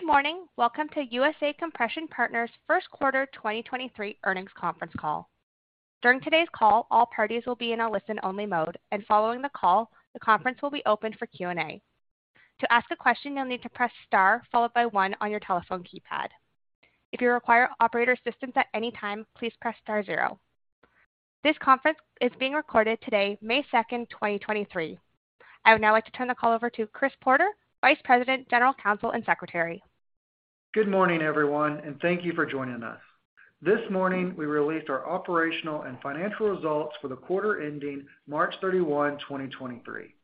Good morning. Welcome to USA Compression Partners' first quarter 2023 earnings conference call. During today's call, all parties will be in a listen-only mode. Following the call, the conference will be opened for Q&A. To ask a question, you'll need to press star followed by one on your telephone keypad. If you require operator assistance at any time, please press star zero. This conference is being recorded today, May 2nd, 2023. I would now like to turn the call over to Chris Porter, Vice President, General Counsel and Secretary. Good morning, everyone, and thank you for joining us. This morning, we released our operational and financial results for the quarter ending March 31, 2023.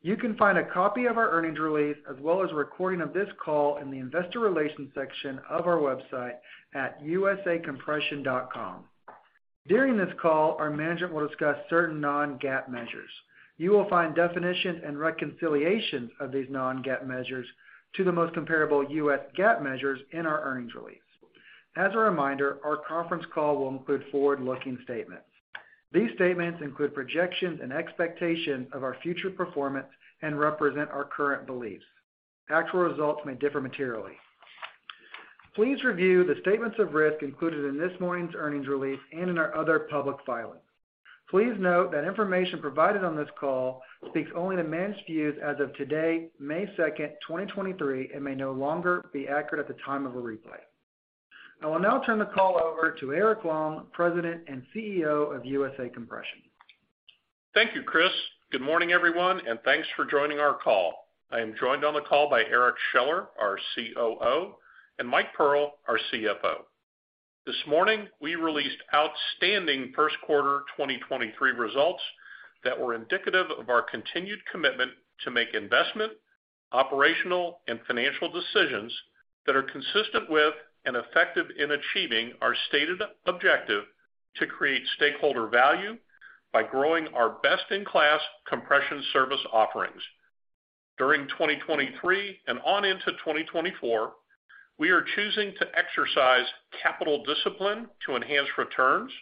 You can find a copy of our earnings release, as well as a recording of this call in the investor relations section of our website at usacompression.com. During this call, our management will discuss certain non-GAAP measures. You will find definition and reconciliation of these non-GAAP measures to the most comparable US GAAP measures in our earnings release. As a reminder, our conference call will include forward-looking statements. These statements include projections and expectations of our future performance and represent our current beliefs. Actual results may differ materially. Please review the statements of risk included in this morning's earnings release and in our other public filings. Please note that information provided on this call speaks only to managed views as of today, May second, 2023, and may no longer be accurate at the time of a replay. I will now turn the call over to Eric Long, President and CEO of USA Compression. Thank you, Chris. Good morning, everyone, thanks for joining our call. I am joined on the call by Eric Scheller, our COO, and Michael Pearl, our CFO. This morning, we released outstanding first quarter 2023 results that were indicative of our continued commitment to make investment, operational, and financial decisions that are consistent with and effective in achieving our stated objective to create stakeholder value by growing our best-in-class compression service offerings. During 2023 and on into 2024, we are choosing to exercise capital discipline to enhance returns,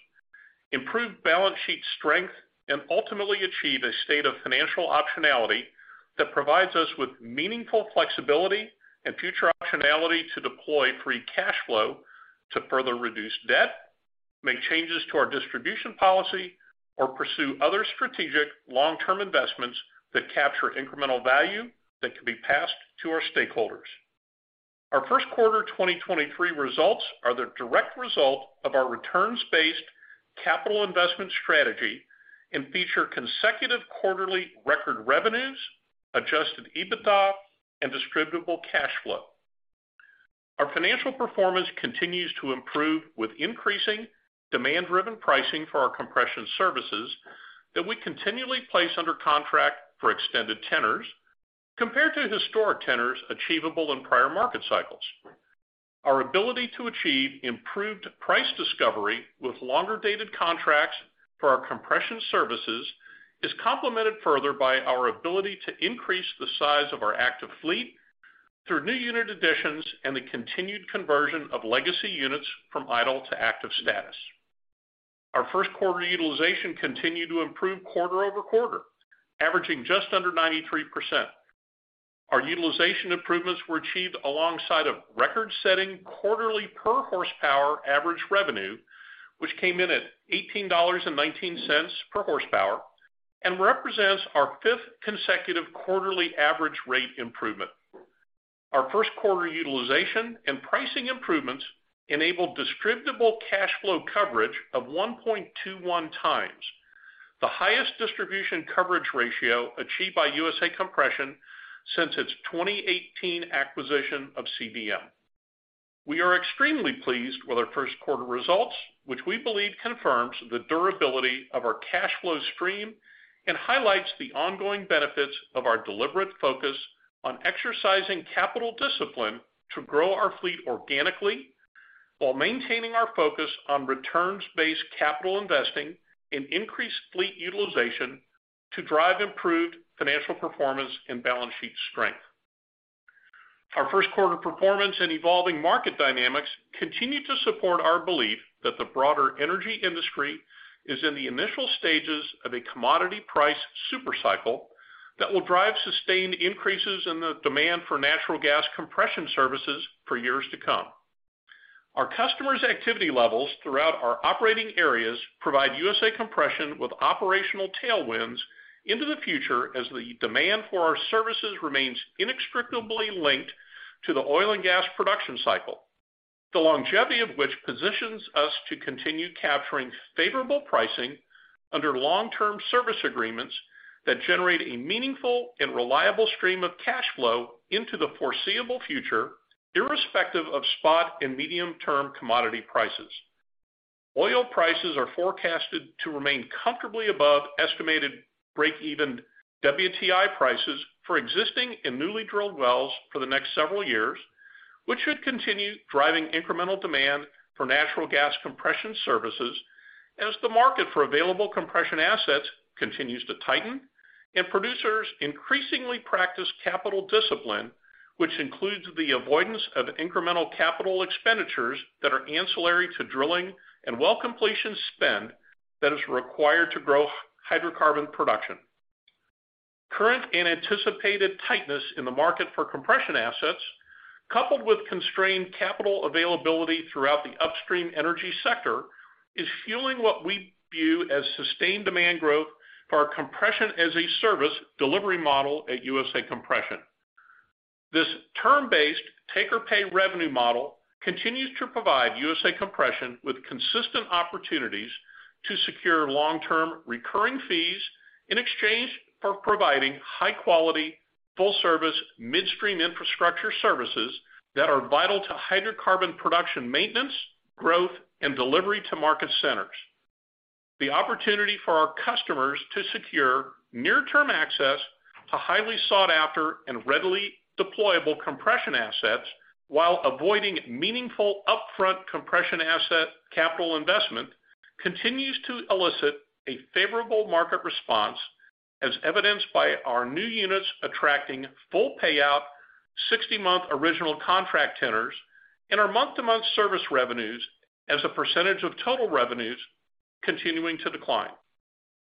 improve balance sheet strength, and ultimately achieve a state of financial optionality that provides us with meaningful flexibility and future optionality to deploy free cash flow to further reduce debt, make changes to our distribution policy, or pursue other strategic long-term investments that capture incremental value that can be passed to our stakeholders. Our first quarter 2023 results are the direct result of our returns-based capital investment strategy and feature consecutive quarterly record revenues, adjusted EBITDA, and distributable cash flow. Our financial performance continues to improve with increasing demand-driven pricing for our compression services that we continually place under contract for extended tenors compared to historic tenors achievable in prior market cycles. Our ability to achieve improved price discovery with longer-dated contracts for our compression services is complemented further by our ability to increase the size of our active fleet through new unit additions and the continued conversion of legacy units from idle to active status. Our first quarter utilization continued to improve quarter-over-quarter, averaging just under 93%. Our utilization improvements were achieved alongside a record-setting quarterly per horsepower average revenue, which came in at $18.19 per horsepower and represents our fifth consecutive quarterly average rate improvement. Our first quarter utilization and pricing improvements enabled distributable cash flow coverage of 1.21 times, the highest distribution coverage ratio achieved by USA Compression since its 2018 acquisition of CDM. We are extremely pleased with our first quarter results, which we believe confirms the durability of our cash flow stream and highlights the ongoing benefits of our deliberate focus on exercising capital discipline to grow our fleet organically while maintaining our focus on returns-based capital investing and increased fleet utilization to drive improved financial performance and balance sheet strength. Our first quarter performance and evolving market dynamics continue to support our belief that the broader energy industry is in the initial stages of a commodity price super cycle that will drive sustained increases in the demand for natural gas compression services for years to come. Our customers' activity levels throughout our operating areas provide USA Compression with operational tailwinds into the future as the demand for our services remains inextricably linked to the oil and gas production cycle, the longevity of which positions us to continue capturing favorable pricing under long-term service agreements that generate a meaningful and reliable stream of cash flow into the foreseeable future, irrespective of spot and medium-term commodity prices. Oil prices are forecasted to remain comfortably above estimated break-even WTI prices for existing and newly drilled wells for the next several years, which should continue driving incremental demand for natural gas compression services as the market for available compression assets continues to tighten and producers increasingly practice capital discipline, which includes the avoidance of incremental capital expenditures that are ancillary to drilling and well completion spend that is required to grow hydrocarbon production. Current and anticipated tightness in the market for compression assets, coupled with constrained capital availability throughout the upstream energy sector, is fueling what we view as sustained demand growth for our compression-as-a-service delivery model at USA Compression. This term-based take-or-pay revenue model continues to provide USA Compression with consistent opportunities to secure long-term recurring fees in exchange for providing high quality, full service midstream infrastructure services that are vital to hydrocarbon production maintenance, growth and delivery to market centers. The opportunity for our customers to secure near-term access to highly sought after and readily deployable compression assets while avoiding meaningful upfront compression asset capital investment continues to elicit a favorable market response as evidenced by our new units attracting full payout 60-month original contract tenors and our month-to-month service revenues as a percentage of total revenues continuing to decline.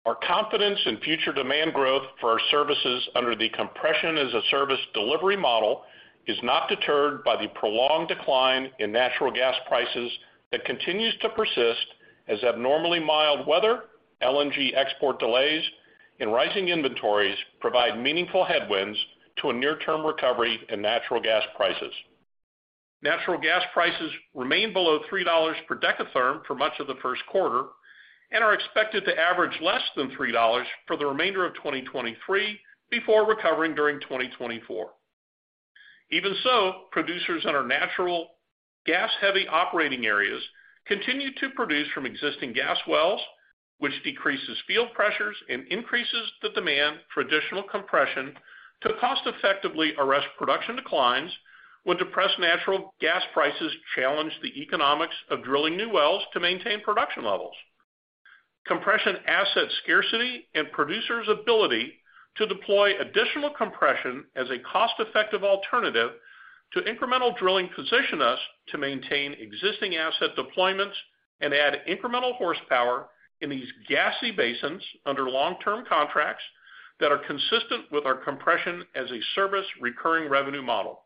Our confidence in future demand growth for our services under the compression-as-a-service delivery model is not deterred by the prolonged decline in natural gas prices that continues to persist as abnormally mild weather, LNG export delays and rising inventories provide meaningful headwinds to a near-term recovery in natural gas prices. Natural gas prices remain below $3 per dekatherm for much of the first quarter and are expected to average less than $3 for the remainder of 2023 before recovering during 2024. Even so, producers in our natural gas-heavy operating areas continue to produce from existing gas wells, which decreases field pressures and increases the demand for additional compression to cost effectively arrest production declines when depressed natural gas prices challenge the economics of drilling new wells to maintain production levels. Compression asset scarcity and producers' ability to deploy additional compression as a cost-effective alternative to incremental drilling position us to maintain existing asset deployments and add incremental horsepower in these gassy basins under long-term contracts that are consistent with our compression-as-a-service recurring revenue model.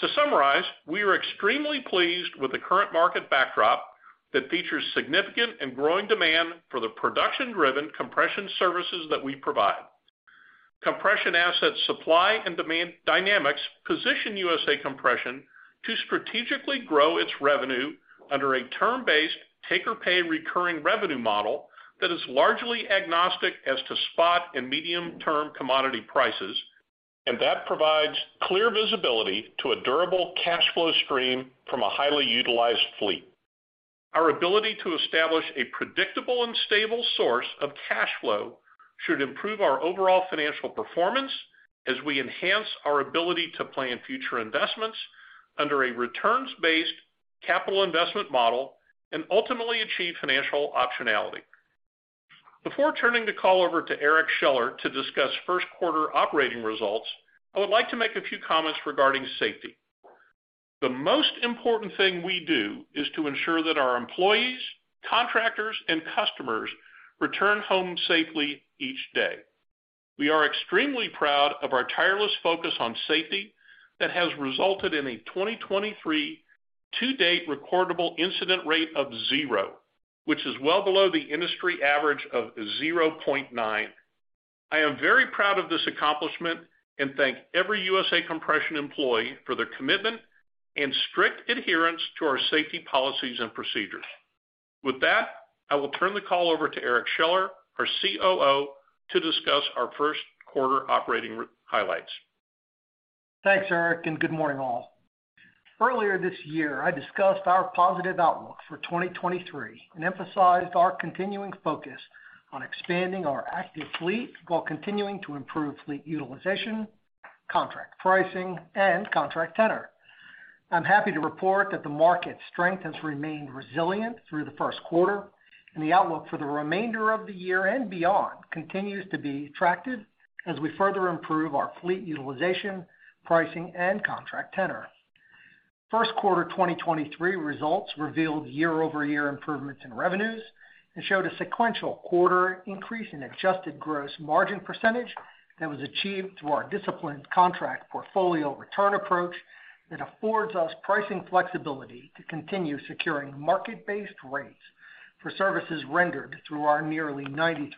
To summarize, we are extremely pleased with the current market backdrop that features significant and growing demand for the production-driven compression services that we provide. Compression asset supply and demand dynamics position USA Compression to strategically grow its revenue under a term-based take-or-pay recurring revenue model that is largely agnostic as to spot and medium-term commodity prices, and that provides clear visibility to a durable cash flow stream from a highly utilized fleet. Our ability to establish a predictable and stable source of cash flow should improve our overall financial performance as we enhance our ability to plan future investments under a returns-based capital investment model and ultimately achieve financial optionality. Before turning the call over to Eric Scheller to discuss first quarter operating results, I would like to make a few comments regarding safety. The most important thing we do is to ensure that our employees, contractors, and customers return home safely each day. We are extremely proud of our tireless focus on safety that has resulted in a 2023 to date recordable incident rate of zero, which is well below the industry average of 0.9. I am very proud of this accomplishment and thank every USA Compression employee for their commitment and strict adherence to our safety policies and procedures. With that, I will turn the call over to Eric Scheller, our COO, to discuss our first quarter operating highlights. Thanks, Eric. Good morning all. Earlier this year, I discussed our positive outlook for 2023 and emphasized our continuing focus on expanding our active fleet while continuing to improve fleet utilization, contract pricing, and contract tenor. I'm happy to report that the market strength has remained resilient through the first quarter and the outlook for the remainder of the year and beyond continues to be attractive as we further improve our fleet utilization, pricing, and contract tenor. First quarter 2023 results revealed year-over-year improvements in revenues and showed a sequential quarter increase in adjusted gross margin percentage that was achieved through our disciplined contract portfolio return approach that affords us pricing flexibility to continue securing market-based rates for services rendered through our nearly 93%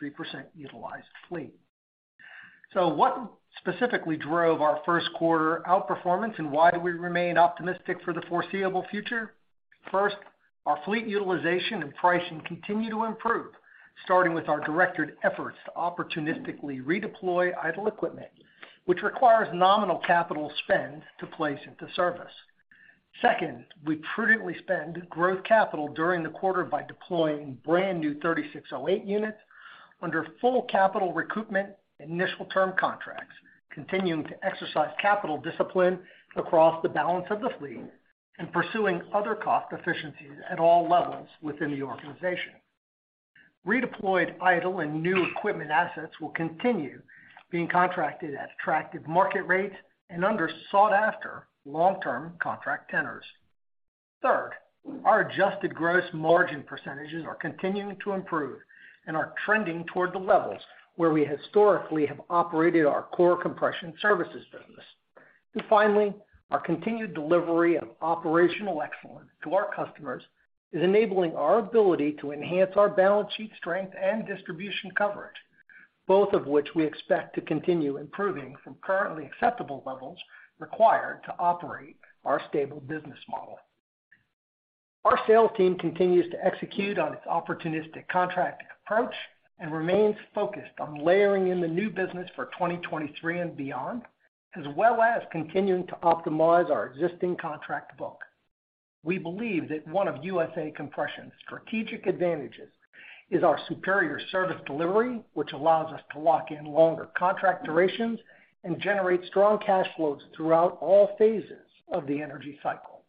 utilized fleet. What specifically drove our first quarter outperformance and why do we remain optimistic for the foreseeable future? First, our fleet utilization and pricing continue to improve, starting with our directed efforts to opportunistically redeploy idle equipment, which requires nominal capital spend to place into service. Second, we prudently spend growth capital during the quarter by deploying brand-new 3608 units under full capital recoupment initial term contracts, continuing to exercise capital discipline across the balance of the fleet and pursuing other cost efficiencies at all levels within the organization. Redeployed idle and new equipment assets will continue being contracted at attractive market rates and under sought-after long-term contract tenors. Third, our adjusted gross margin percentages are continuing to improve and are trending toward the levels where we historically have operated our core compression services business. Finally, our continued delivery of operational excellence to our customers is enabling our ability to enhance our balance sheet strength and distribution coverage, both of which we expect to continue improving from currently acceptable levels required to operate our stable business model. Our sales team continues to execute on its opportunistic contract approach and remains focused on layering in the new business for 2023 and beyond, as well as continuing to optimize our existing contract book. We believe that one of USA Compression's strategic advantages is our superior service delivery, which allows us to lock in longer contract durations and generate strong cash flows throughout all phases of the energy cycle.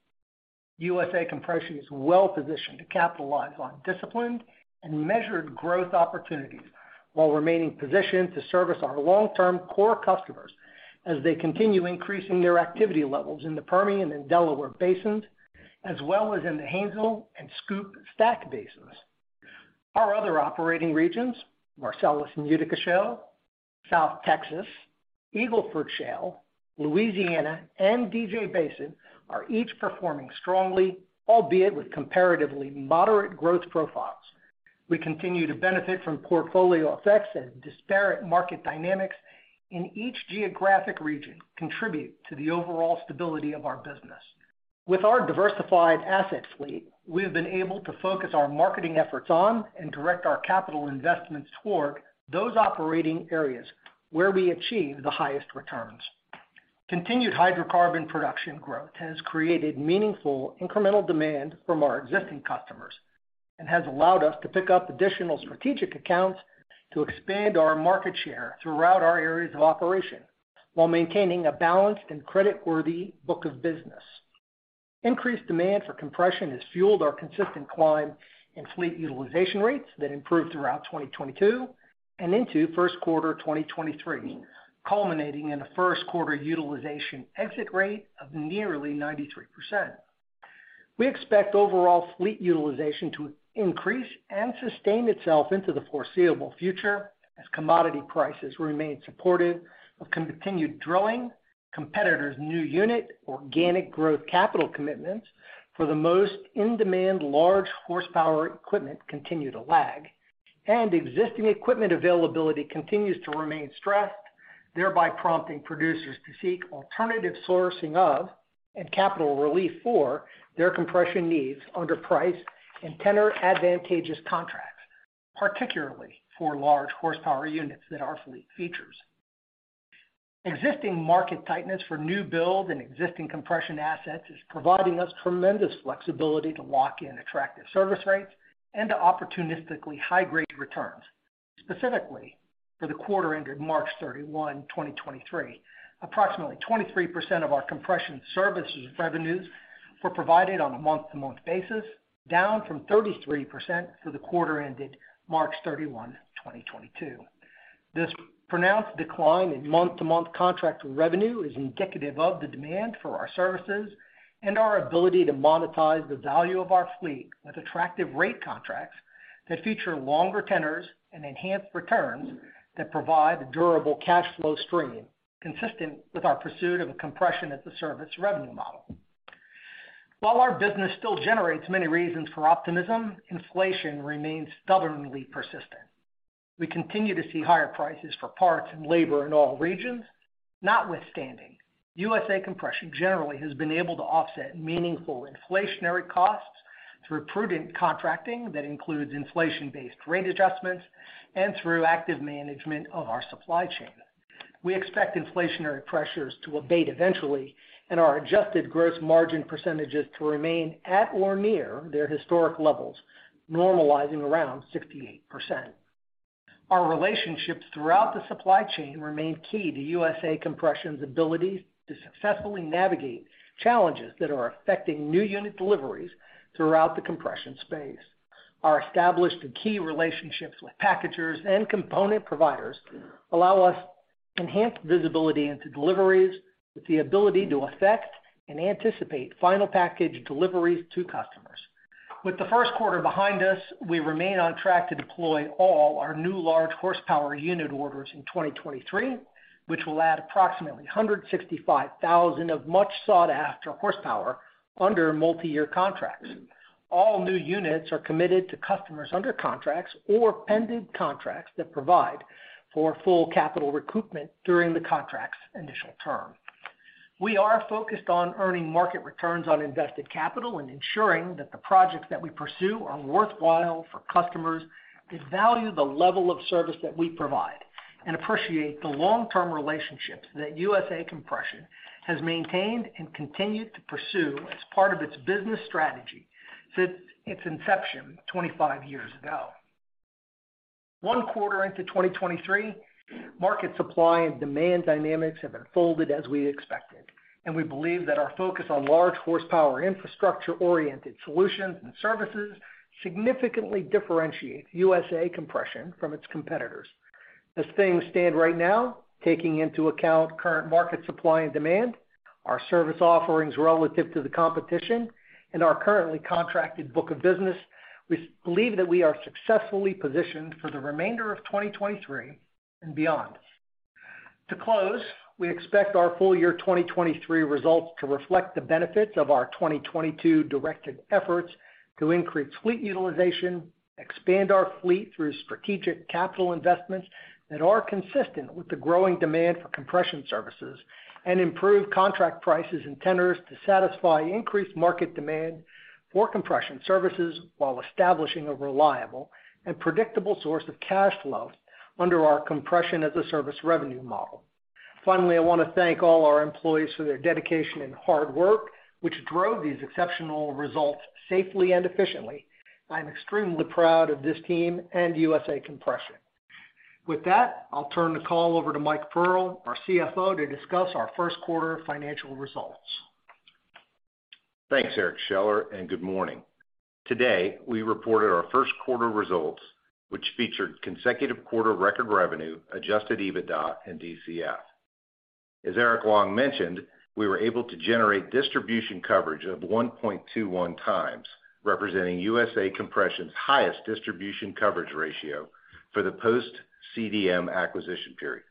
USA Compression is well-positioned to capitalize on disciplined and measured growth opportunities while remaining positioned to service our long-term core customers as they continue increasing their activity levels in the Permian and Delaware basins, as well as in the Haynesville and SCOOP/STACK basins. Our other operating regions, Marcellus and Utica Shale, South Texas, Eagle Ford Shale, Louisiana and DJ Basin, are each performing strongly, albeit with comparatively moderate growth profiles. We continue to benefit from portfolio effects and disparate market dynamics, each geographic region contribute to the overall stability of our business. With our diversified asset fleet, we have been able to focus our marketing efforts on and direct our capital investments toward those operating areas where we achieve the highest returns. Continued hydrocarbon production growth has created meaningful incremental demand from our existing customers and has allowed us to pick up additional strategic accounts to expand our market share throughout our areas of operation while maintaining a balanced and creditworthy book of business. Increased demand for compression has fueled our consistent climb in fleet utilization rates that improved throughout 2022 and into first quarter 2023, culminating in a first quarter utilization exit rate of nearly 93%. We expect overall fleet utilization to increase and sustain itself into the foreseeable future as commodity prices remain supportive of continued drilling, competitors' new unit organic growth capital commitments for the most in-demand large horsepower equipment continue to lag, and existing equipment availability continues to remain stressed, thereby prompting producers to seek alternative sourcing of and capital relief for their compression needs under priced and tenor advantageous contracts, particularly for large horsepower units that our fleet features. Existing market tightness for new build and existing compression assets is providing us tremendous flexibility to lock in attractive service rates and to opportunistically high grade returns. Specifically, for the quarter ended March 31, 2023, approximately 23% of our compression services revenues were provided on a month-to-month basis, down from 33% for the quarter ended March 31, 2022. This pronounced decline in month-to-month contract revenue is indicative of the demand for our services and our ability to monetize the value of our fleet with attractive rate contracts that feature longer tenors and enhanced returns that provide a durable cash flow stream consistent with our pursuit of a compression-as-a-service revenue model. While our business still generates many reasons for optimism, inflation remains stubbornly persistent. We continue to see higher prices for parts and labor in all regions. Notwithstanding, USA Compression generally has been able to offset meaningful inflationary costs through prudent contracting that includes inflation-based rate adjustments and through active management of our supply chain. We expect inflationary pressures to abate eventually and our adjusted gross margin percentages to remain at or near their historic levels, normalizing around 68%. Our relationships throughout the supply chain remain key to USA Compression's ability to successfully navigate challenges that are affecting new unit deliveries throughout the compression space. Our established and key relationships with packagers and component providers allow us enhanced visibility into deliveries with the ability to affect and anticipate final package deliveries to customers. With the first quarter behind us, we remain on track to deploy all our new large horsepower unit orders in 2023, which will add approximately 165,000 of much sought after horsepower under multiyear contracts. All new units are committed to customers under contracts or pending contracts that provide for full capital recoupment during the contract's initial term. We are focused on earning market returns on invested capital and ensuring that the projects that we pursue are worthwhile for customers who value the level of service that we provide and appreciate the long-term relationships that USA Compression has maintained and continued to pursue as part of its business strategy since its inception 25 years ago. 1 quarter into 2023, market supply and demand dynamics have unfolded as we expected, and we believe that our focus on large horsepower infrastructure-oriented solutions and services significantly differentiate USA Compression from its competitors. As things stand right now, taking into account current market supply and demand Our service offerings relative to the competition and our currently contracted book of business, we believe that we are successfully positioned for the remainder of 2023 and beyond. To close, we expect our full year 2023 results to reflect the benefits of our 2022 directed efforts to increase fleet utilization, expand our fleet through strategic capital investments that are consistent with the growing demand for compression services, and improve contract prices and tenders to satisfy increased market demand for compression services while establishing a reliable and predictable source of cash flow under our compression-as-a-service revenue model. Finally, I want to thank all our employees for their dedication and hard work, which drove these exceptional results safely and efficiently. I am extremely proud of this team and USA Compression. With that, I'll turn the call over to Michael Pearl, our CFO, to discuss our first quarter financial results. Thanks, Eric Scheller. Good morning. Today, we reported our first quarter results, which featured consecutive quarter record revenue, adjusted EBITDA and DCF. As Eric Long mentioned, we were able to generate distribution coverage of 1.21 times, representing USA Compression's highest distribution coverage ratio for the post-CDM acquisition period.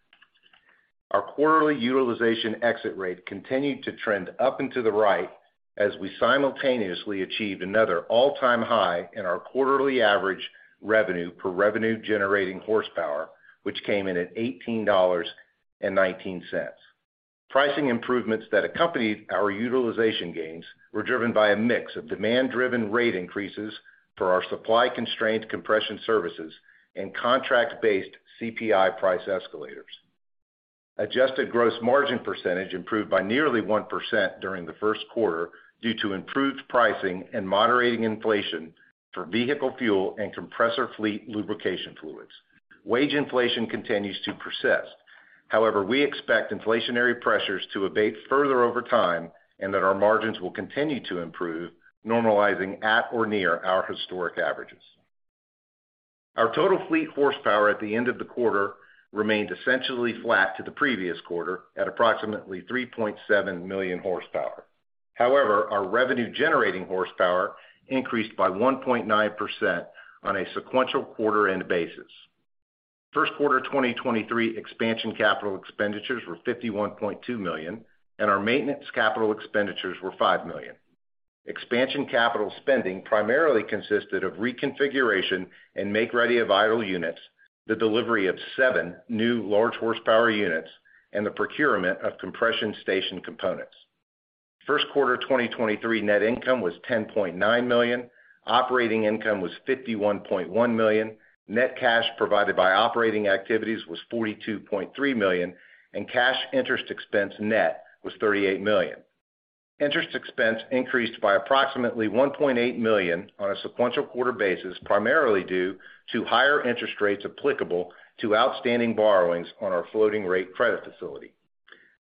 Our quarterly utilization exit rate continued to trend up and to the right as we simultaneously achieved another all-time high in our quarterly average revenue per Revenue-generating Horsepower, which came in at $18.19. Pricing improvements that accompanied our utilization gains were driven by a mix of demand-driven rate increases for our supply-constrained compression services and contract-based CPI price escalators. Adjusted gross margin percentage improved by nearly 1% during the first quarter due to improved pricing and moderating inflation for vehicle fuel and compressor fleet lubrication fluids. Wage inflation continues to persist. We expect inflationary pressures to abate further over time and that our margins will continue to improve, normalizing at or near our historic averages. Our total fleet horsepower at the end of the quarter remained essentially flat to the previous quarter at approximately 3.7 million horsepower. Our Revenue-generating Horsepower increased by 1.9% on a sequential quarter end basis. First quarter 2023 expansion capital expenditures were $51.2 million, and our maintenance capital expenditures were $5 million. Expansion capital spending primarily consisted of reconfiguration and make-ready of idle units, the delivery of 7 new large horsepower units, and the procurement of compression station components. First quarter 2023 net income was $10.9 million. Operating income was $51.1 million. Net cash provided by operating activities was $42.3 million, and cash interest expense net was $38 million. Interest expense increased by approximately $1.8 million on a sequential quarter basis, primarily due to higher interest rates applicable to outstanding borrowings on our floating rate credit facility.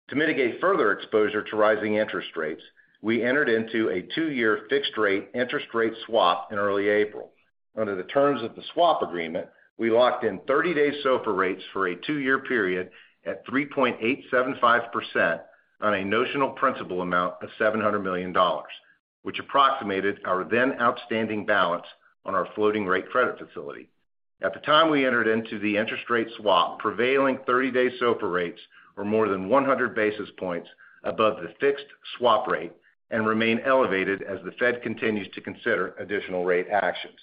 To mitigate further exposure to rising interest rates, we entered into a two-year fixed rate interest rate swap in early April. Under the terms of the swap agreement, we locked in 30-day SOFR rates for a two-year period at 3.875% on a notional principal amount of $700 million, which approximated our then outstanding balance on our floating rate credit facility. At the time we entered into the interest rate swap, prevailing 30-day SOFR rates were more than 100 basis points above the fixed swap rate and remain elevated as the Fed continues to consider additional rate actions.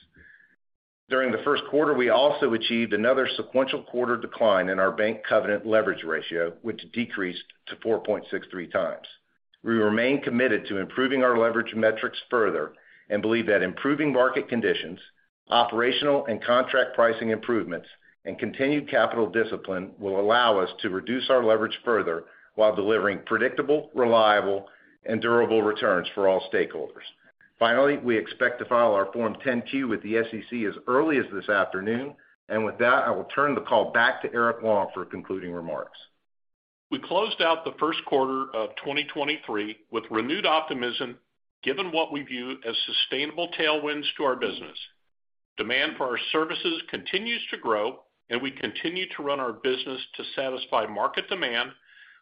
During the first quarter, we also achieved another sequential quarter decline in our bank covenant leverage ratio, which decreased to 4.63 times. We remain committed to improving our leverage metrics further and believe that improving market conditions, operational and contract pricing improvements, and continued capital discipline will allow us to reduce our leverage further while delivering predictable, reliable, and durable returns for all stakeholders. Finally, we expect to file our Form 10-Q with the SEC as early as this afternoon. With that, I will turn the call back to Eric Long for concluding remarks. We closed out the 1st quarter of 2023 with renewed optimism given what we view as sustainable tailwinds to our business. Demand for our services continues to grow. We continue to run our business to satisfy market demand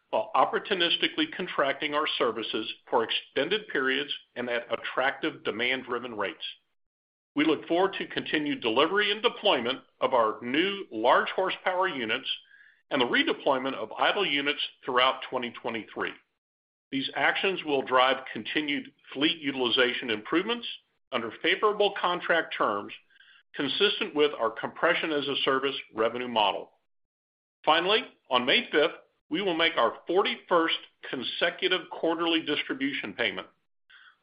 while opportunistically contracting our services for extended periods and at attractive demand-driven rates. We look forward to continued delivery and deployment of our new large horsepower units and the redeployment of idle units throughout 2023. These actions will drive continued fleet utilization improvements under favorable contract terms consistent with our compression-as-a-service revenue model. On May 5th, we will make our 41st consecutive quarterly distribution payment.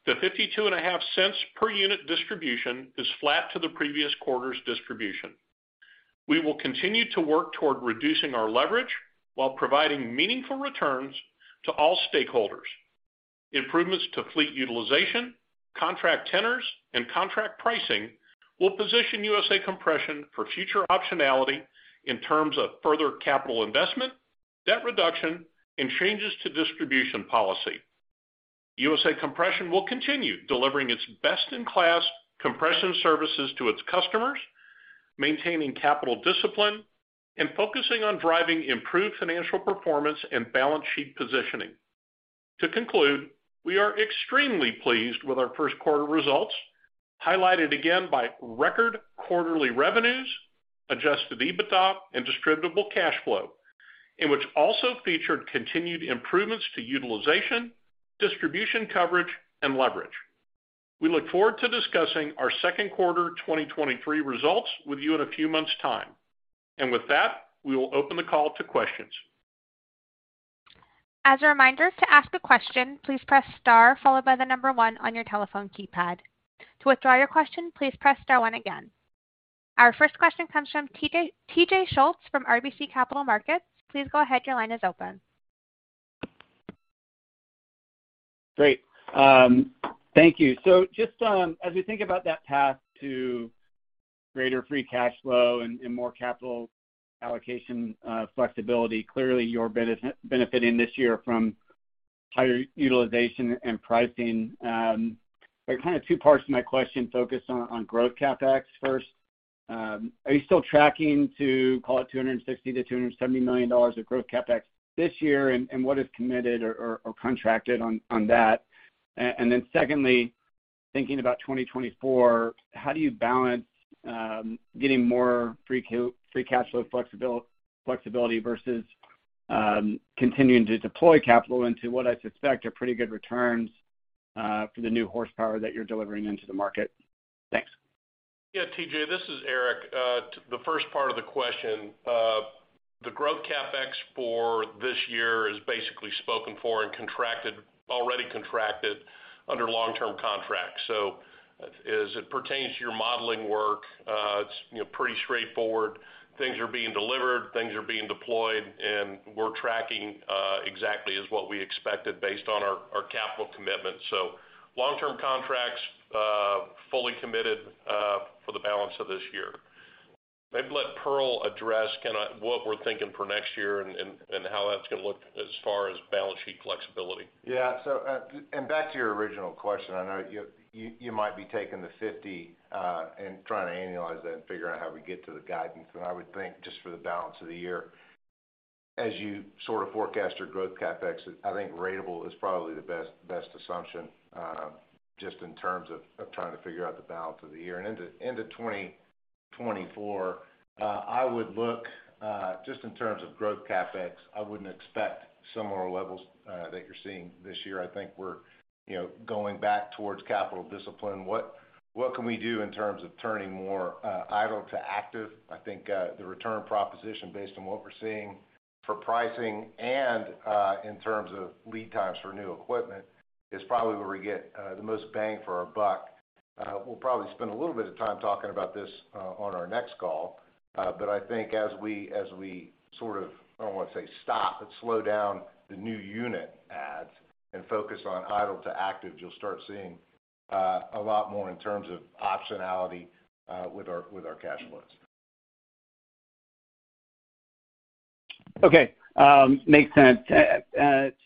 The fifty-two and a half cents per unit distribution is flat to the previous quarter's distribution. We will continue to work toward reducing our leverage while providing meaningful returns to all stakeholders. Improvements to fleet utilization, contract tenders, and contract pricing will position USA Compression for future optionality in terms of further capital investment, debt reduction, and changes to distribution policy. USA Compression will continue delivering its best in class compression services to its customers, maintaining capital discipline and focusing on driving improved financial performance and balance sheet positioning. To conclude, we are extremely pleased with our first quarter results, highlighted again by record quarterly revenues, adjusted EBITDA, and distributable cash flow, in which also featured continued improvements to utilization, distribution coverage and leverage. We look forward to discussing our second quarter 2023 results with you in a few months' time. With that, we will open the call to questions. As a reminder, to ask a question, please press star followed by one on your telephone keypad. To withdraw your question, please press star one again. Our first question comes from TJ Schultz from RBC Capital Markets. Please go ahead. Your line is open. Great. Thank you. Just as we think about that path to greater free cash flow and more capital allocation flexibility, clearly you're benefiting this year from higher utilization and pricing. There are kind of two parts to my question focused on growth CapEx first. Are you still tracking to call it $260 million-$270 million of growth CapEx this year, and what is committed or contracted on that? Then secondly, thinking about 2024, how do you balance getting more free cash flow flexibility versus continuing to deploy capital into what I suspect are pretty good returns for the new horsepower that you're delivering into the market? Thanks. Yeah, TJ, this is Eric. The first part of the question, the growth CapEx for this year is basically spoken for and already contracted under long-term contracts. As it pertains to your modeling work, it's, you know, pretty straightforward. Things are being delivered, things are being deployed, and we're tracking exactly as what we expected based on our capital commitments. Long-term contracts, fully committed for the balance of this year. Maybe let Pearl address kinda what we're thinking for next year and how that's gonna look as far as balance sheet flexibility. Back to your original question, I know you might be taking the 50 and trying to annualize that and figure out how we get to the guidance. I would think just for the balance of the year, as you sort of forecast your growth CapEx, I think ratable is probably the best assumption just in terms of trying to figure out the balance of the year. Into end of 2024, I would look just in terms of growth CapEx, I wouldn't expect similar levels that you're seeing this year. I think we're, you know, going back towards capital discipline. What can we do in terms of turning more idle to active? I think the return proposition based on what we're seeing for pricing and in terms of lead times for new equipment is probably where we get the most bang for our buck. We'll probably spend a little bit of time talking about this on our next call. I think as we sort of, I don't want to say stop, but slow down the new unit adds and focus on idle to active, you'll start seeing a lot more in terms of optionality with our cash flows. Okay, makes sense.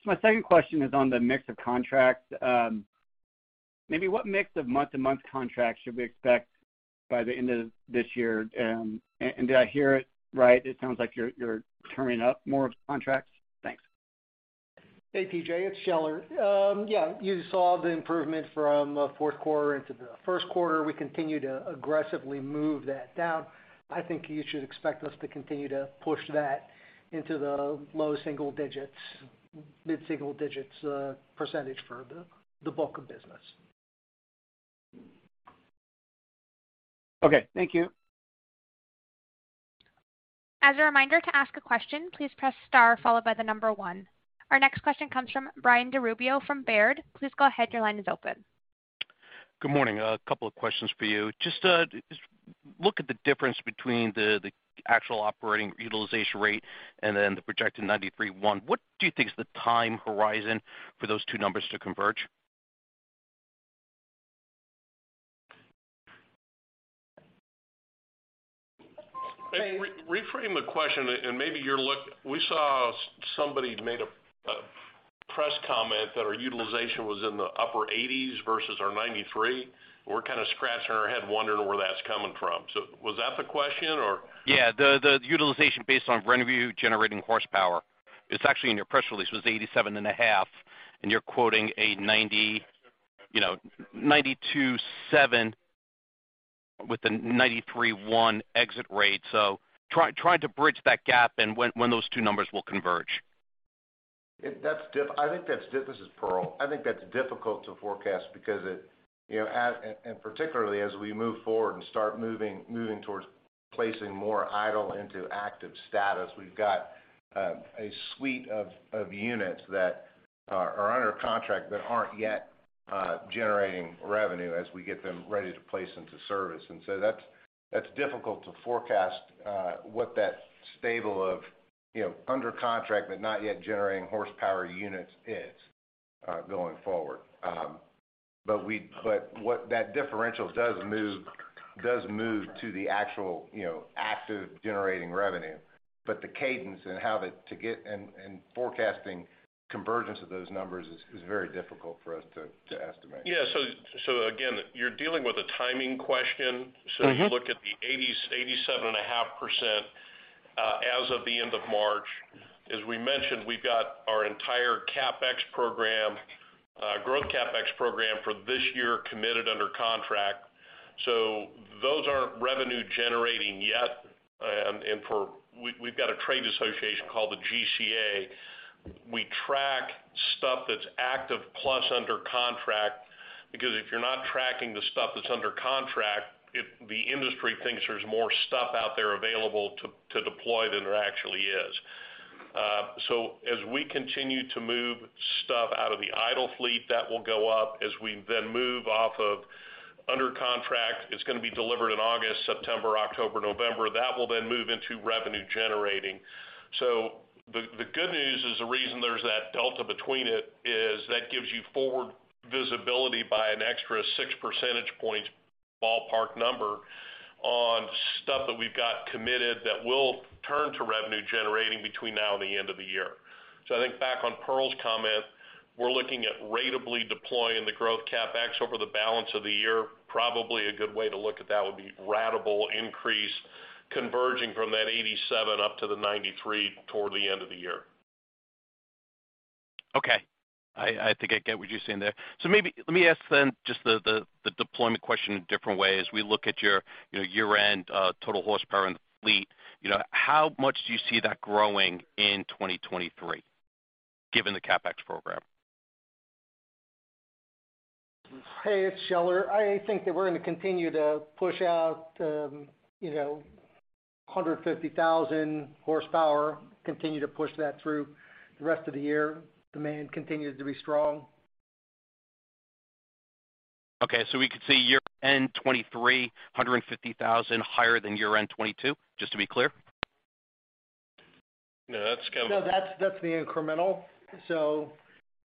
My second question is on the mix of contracts. Maybe what mix of month-to-month contracts should we expect by the end of this year? Did I hear it right, it sounds like you're turning up more of the contracts. Thanks. Hey, TJ. It's Scheller. Yeah, you saw the improvement from fourth quarter into the first quarter. We continue to aggressively move that down. I think you should expect us to continue to push that into the low single digits, mid single digits % for the bulk of business. Okay, thank you. As a reminder, to ask a question, please press star followed by the number one. Our next question comes from Brian DiRubbio from Baird. Please go ahead, your line is open. Good morning. A couple of questions for you. Just look at the difference between the actual operating utilization rate and then the projected 93.1%. What do you think is the time horizon for those two numbers to converge? Reframe the question maybe we saw somebody made a press comment that our utilization was in the upper 80s versus our 93. We're kind of scratching our head wondering where that's coming from. Was that the question or? Yeah. The utilization based on Revenue-generating Horsepower. It's actually in your press release. It was 87.5%, and you're quoting a 92.7% with a 93.1% exit rate. Trying to bridge that gap and when those two numbers will converge. This is Pearl. I think that's difficult to forecast because it, you know, as and particularly as we move forward and start moving towards placing more idle into active status, we've got a suite of units that are under contract that aren't yet generating revenue as we get them ready to place into service. That's difficult to forecast what that stable of, you know, under contract but not yet generating horsepower units is going forward. What that differential does move to the actual, you know, active generating revenue. The cadence to get and forecasting convergence of those numbers is very difficult for us to estimate. Yeah. Again, you're dealing with a timing question. Mm-hmm. You look at the 87.5% as of the end of March. As we mentioned, we've got our entire CapEx program, growth CapEx program for this year committed under contract. Those aren't revenue-generating yet. We've got a trade association called the GCA. We track stuff that's active plus under contract, because if you're not tracking the stuff that's under contract, the industry thinks there's more stuff out there available to deploy than there actually is. As we continue to move stuff out of the idle fleet, that will go up. As we then move off of under contract, it's gonna be delivered in August, September, October, November. That will then move into revenue-generating. The good news is the reason there's that delta between it is that gives you forward visibility by an extra 6 percentage points ballpark number on stuff that we've got committed that will turn to revenue-generating between now and the end of the year. I think back on Pearl's comment, we're looking at ratably deploying the growth CapEx over the balance of the year. Probably a good way to look at that would be ratable increase converging from that 87 up to the 93 toward the end of the year. Okay. I think I get what you're saying there. Maybe let me ask then just the deployment question a different way. As we look at your, you know, year-end, total horsepower in the fleet, you know, how much do you see that growing in 2023, given the CapEx program? Hey, it's Scheller. I think that we're gonna continue to push out, you know, 150,000 horsepower, continue to push that through the rest of the year. Demand continues to be strong. Okay. We could see year end 23, 150,000 higher than year end 22, just to be clear? No, that's kind of- No, that's the incremental.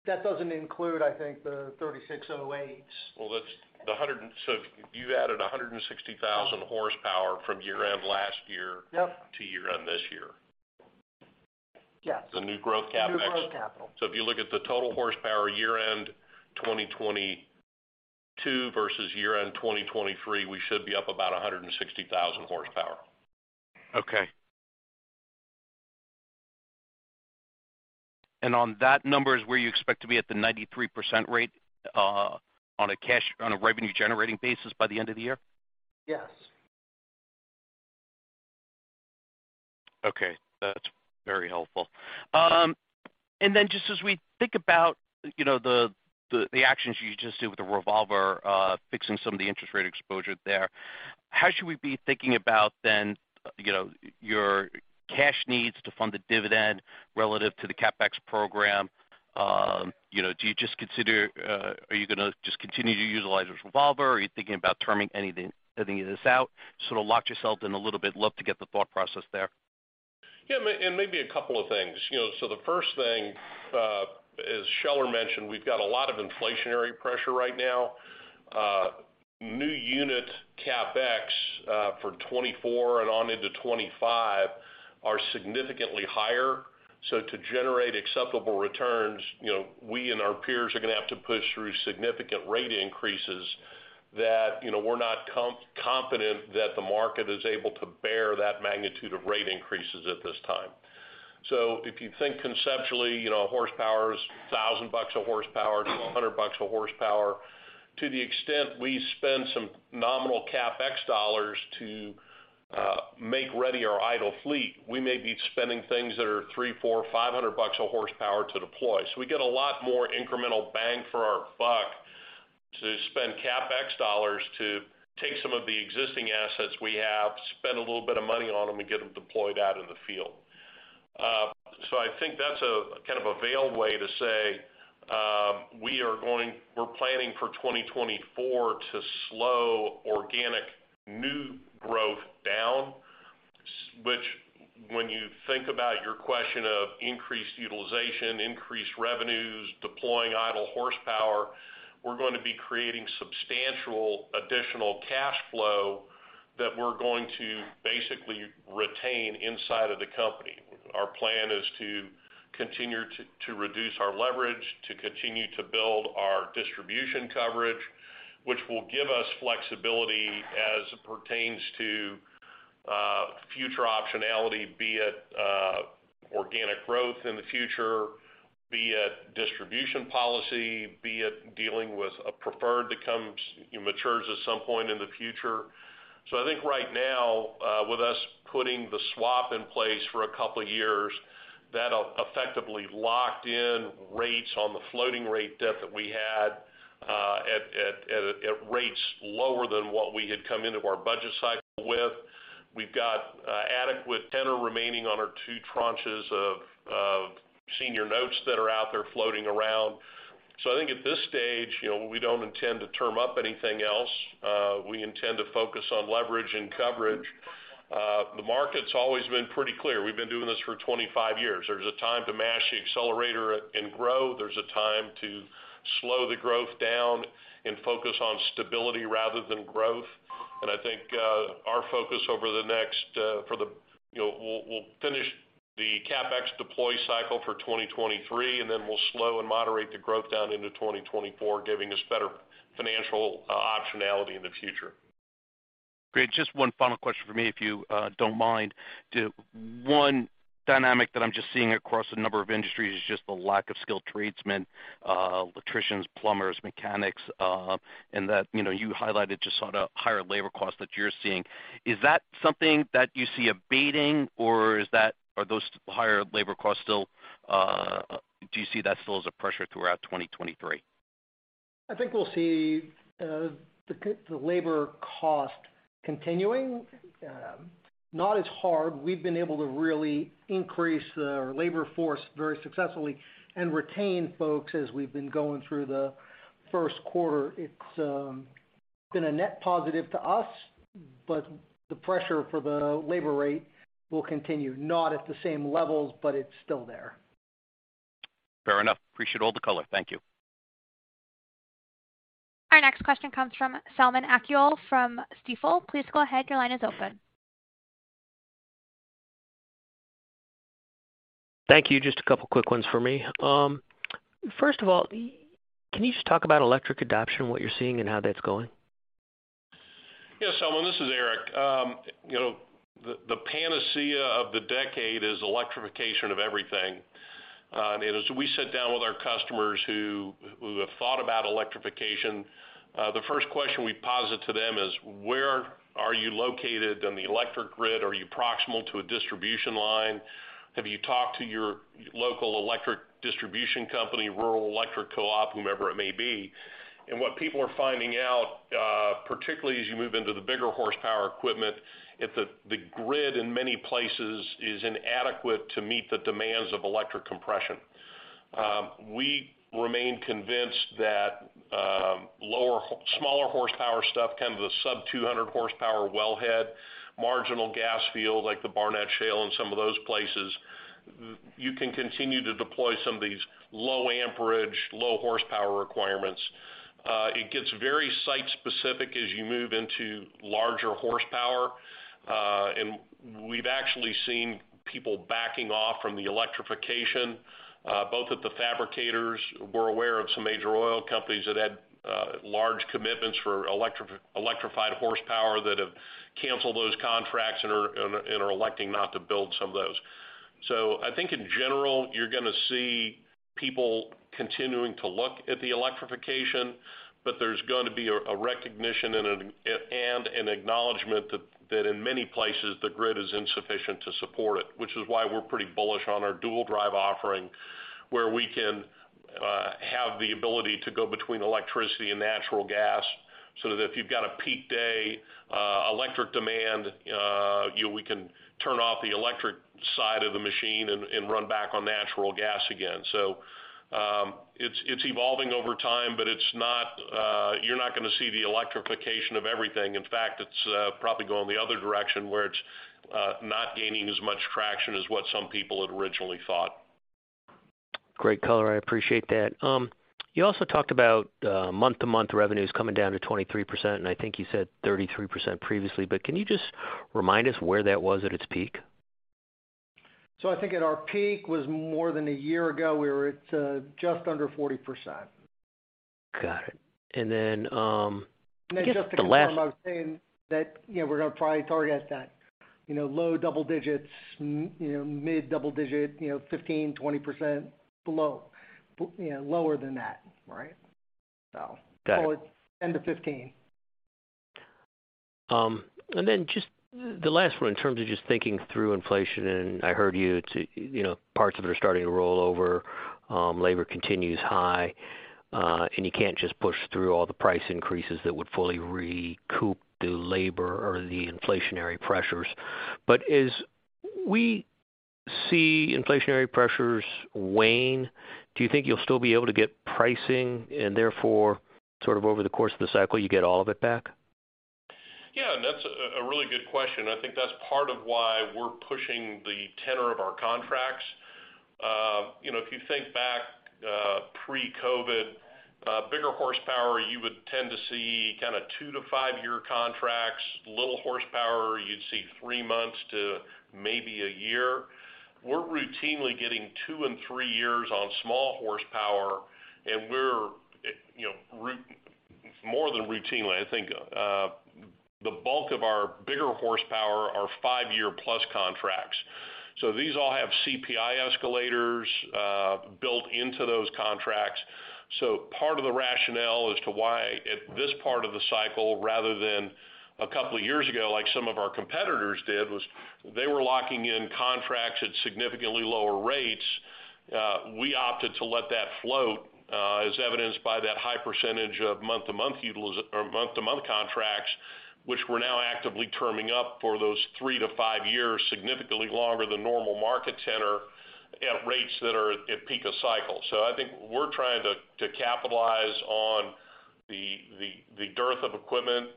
That doesn't include, I think, the 3608s. Well, you added 160,000 horsepower from year end last year? Yep... to year end this year. Yes. The new growth CapEx. New growth capital. If you look at the total horsepower year end 2022 versus year end 2023, we should be up about 160,000 horsepower. Okay. On that number is where you expect to be at the 93% rate, on a revenue-generating basis by the end of the year? Yes. Okay. That's very helpful. Just as we think about, you know, the, the actions you just did with the revolver, fixing some of the interest rate exposure there, how should we be thinking about then, you know, your cash needs to fund the dividend relative to the CapEx program? You know, do you just consider, are you gonna just continue to utilize this revolver? Are you thinking about terming any of this out, sort of lock yourself in a little bit? Love to get the thought process there. Yeah. Maybe a couple of things. You know, the first thing, as Scheller mentioned, we've got a lot of inflationary pressure right now. New unit CapEx for 2024 and on into 2025 are significantly higher. To generate acceptable returns, you know, we and our peers are gonna have to push through significant rate increases that, you know, we're not confident that the market is able to bear that magnitude of rate increases at this time. If you think conceptually, you know, horsepower is $1,000 a horsepower to $100 a horsepower. To the extent we spend some nominal CapEx dollars to make ready our idle fleet, we may be spending things that are $300, $400, $500 a horsepower to deploy. We get a lot more incremental bang for our buck to spend CapEx dollars to take some of the existing assets we have, spend a little bit of money on them, and get them deployed out in the field. I think that's a, kind of a veiled way to say, we're planning for 2024 to slow organic new growth down, which when you think about your question of increased utilization, increased revenues, deploying idle horsepower, we're gonna be creating substantial additional cash flow that we're going to basically retain inside of the company. Our plan is to continue to reduce our leverage, to continue to build our distribution coverage, which will give us flexibility as it pertains to future optionality, be it organic growth in the future, be it distribution policy, be it dealing with a preferred that, you know, matures at some point in the future. I think right now, with us putting the swap in place for a couple of years, that effectively locked in rates on the floating rate debt that we had at rates lower than what we had come into our budget cycle with. We've got adequate tenor remaining on our two tranches of senior notes that are out there floating around. I think at this stage, you know, we don't intend to term up anything else. We intend to focus on leverage and coverage. The market's always been pretty clear. We've been doing this for 25 years. There's a time to mash the accelerator and grow. There's a time to slow the growth down and focus on stability rather than growth. I think our focus over the next, for the, you know, we'll finish the CapEx deploy cycle for 2023, and then we'll slow and moderate the growth down into 2024, giving us better financial optionality in the future. Great. Just one final question from me, if you don't mind. The one dynamic that I'm just seeing across a number of industries is just the lack of skilled tradesmen, electricians, plumbers, mechanics, and that, you know, you highlighted just on a higher labor cost that you're seeing. Are those higher labor costs still, do you see that still as a pressure throughout 2023? I think we'll see the labor cost continuing, not as hard. We've been able to really increase our labor force very successfully and retain folks as we've been going through the first quarter. It's been a net positive to us, but the pressure for the labor rate will continue. Not at the same levels, but it's still there. Fair enough. Appreciate all the color. Thank you. Our next question comes from Selman Akyol from Stifel. Please go ahead, your line is open. Thank you. Just a couple quick ones for me. First of all, can you just talk about electric adoption, what you're seeing and how that's going? Yeah, Selman, this is Eric. You know, the panacea of the decade is electrification of everything. As we sit down with our customers who have thought about electrification, the first question we posit to them is, "Where are you located on the electric grid? Are you proximal to a distribution line? Have you talked to your local electric distribution company, rural electric co-op, whomever it may be?" What people are finding out, particularly as you move into the bigger horsepower equipment, if the grid in many places is inadequate to meet the demands of electric compression. We remain convinced that smaller horsepower stuff, kind of the sub 200 horsepower well head, marginal gas field, like the Barnett Shale and some of those places, you can continue to deploy some of these low amperage, low horsepower requirements. It gets very site specific as you move into larger horsepower. We've actually seen people backing off from the electrification, both at the fabricators. We're aware of some major oil companies that had large commitments for electrified horsepower that have canceled those contracts and are electing not to build some of those. I think in general, you're gonna see people continuing to look at the electrification, but there's gonna be a recognition and an acknowledgement that in many places the grid is insufficient to support it, which is why we're pretty bullish on our Dual Drive offering, where we can have the ability to go between electricity and natural gas, so that if you've got a peak day, electric demand, we can turn off the electric side of the machine and run back on natural gas again. It's, it's evolving over time, but it's not, you're not gonna see the electrification of everything. In fact, it's probably going the other direction, where it's not gaining as much traction as what some people had originally thought. Great color. I appreciate that. You also talked about month-to-month revenues coming down to 23%, I think you said 33% previously, but can you just remind us where that was at its peak? I think at our peak was more than a year ago, we were at just under 40%. Got it. I guess the last- Just to confirm, I was saying that, you know, we're gonna probably target at that, you know, low double digits, you know, mid double digit, you know, 15%-20% below, you know, lower than that, right? Got it. Call it 10 to 15. Just the last one, in terms of just thinking through inflation, and I heard you to, you know, parts of it are starting to roll over, labor continues high, and you can't just push through all the price increases that would fully recoup the labor or the inflationary pressures. As we see inflationary pressures wane, do you think you'll still be able to get pricing and therefore sort of over the course of the cycle you get all of it back? Yeah, that's a really good question. I think that's part of why we're pushing the tenor of our contracts. you know, if you think back, pre-COVID, bigger horsepower, you would tend to see kinda 2-5 year contracts. Little horsepower, you'd see three months to maybe a year. We're routinely getting two and three years on small horsepower and we're, you know, more than routinely, I think, the bulk of our bigger horsepower are five-year plus contracts. These all have CPI escalators built into those contracts. Part of the rationale as to why at this part of the cycle rather than a couple of years ago, like some of our competitors did, was they were locking in contracts at significantly lower rates. We opted to let that float, as evidenced by that high percentage of month to month contracts, which we're now actively terming up for those three to five years, significantly longer than normal market tenor at rates that are at peak of cycle. I think we're trying to capitalize on the dearth of equipment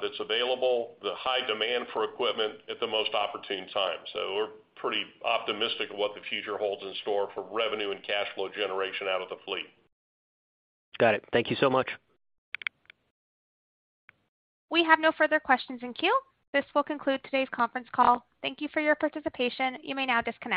that's available, the high demand for equipment at the most opportune time. We're pretty optimistic of what the future holds in store for revenue and cash flow generation out of the fleet. Got it. Thank you so much. We have no further questions in queue. This will conclude today's conference call. Thank you for your participation. You may now disconnect.